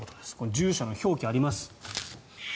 住所の表記があります。